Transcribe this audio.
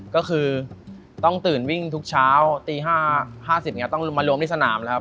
ก็คือต้องตื่นวิ่งทุกเช้าตี๕๐เนี่ยต้องมารวมที่สนามนะครับ